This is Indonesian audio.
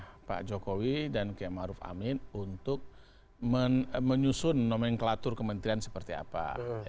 hak sepenuhnya pak jokowi dan kiamaruf amin untuk menyusun nomenklatur kementerian seperti apa